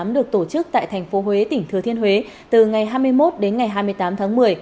được tổ chức tại thành phố huế tỉnh thừa thiên huế từ ngày hai mươi một đến ngày hai mươi tám tháng một mươi